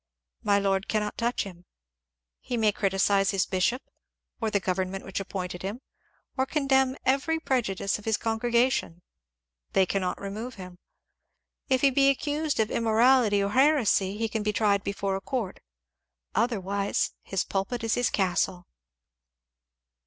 My lord cannot touch him. He may criticise his bishop, or the govemment which appointed him, or condemn every prejudice of his con gregation ; they cannot remove him. If he be accused of im morality or heresy, he can be tried before a court ; otherwise his pulpit is his castle.